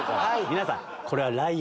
皆さん！